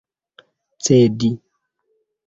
cedi